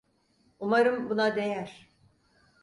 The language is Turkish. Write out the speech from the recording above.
Umarım buna değer.